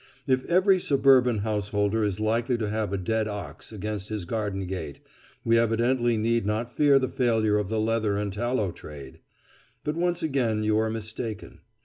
If every suburban householder is likely to have a dead ox against his garden gate, we evidently need not fear the failure of the leather and tallow trade. But once again you are mistaken.